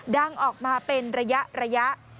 ดังออกมาเป็นระยะ